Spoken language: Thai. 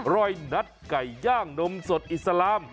ร้อยนัดไก่ย่างนมสดอิสลาม